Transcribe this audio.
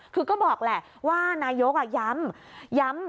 คือก็บอกแหละว่านายกย้ำย้ำ